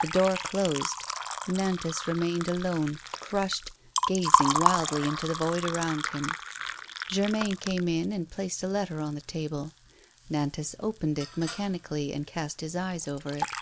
The door closed. Nantas remained alone, crushed, gazing wildly into the void around him. Germain came in and placed a letter on the table; Nantas opened it mechanically, and cast his eyes over it.